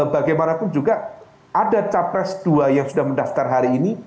bagaimanapun juga ada capres dua yang sudah mendaftar hari ini